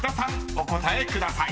お答えください］